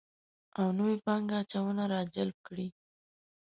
او نوې پانګه اچونه راجلب کړي